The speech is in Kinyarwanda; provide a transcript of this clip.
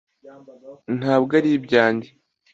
ntabwo ari ibyanjye